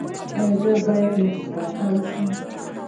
ایا زه باید نسکافه وڅښم؟